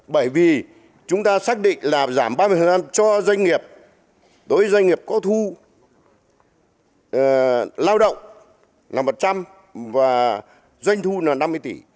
bởi vì chúng ta xác định là giảm ba mươi cho doanh nghiệp đối với doanh nghiệp có thu lao động là một trăm linh và doanh thu là năm mươi tỷ